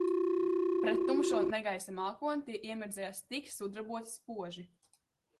Pret tumšo negaisa mākoni tie iemirdzējās tik sudraboti spoži.